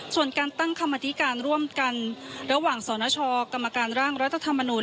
ส่วนการตั้งกรรมธิการร่วมกันระหว่างสนชกรรมการร่างรัฐธรรมนูล